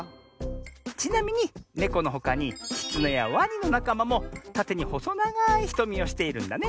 ちなみにネコのほかにキツネやワニのなかまもたてにほそながいひとみをしているんだね。